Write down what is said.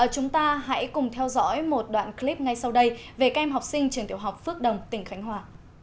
chúng ta hãy cùng theo dõi một đoạn clip ngay sau đây về các em học sinh trường tiểu học phước đồng tỉnh khánh hòa